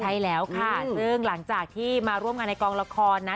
ใช่แล้วค่ะซึ่งหลังจากที่มาร่วมงานในกองละครนะ